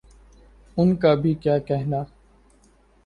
ان کا بھی کیا کہنا۔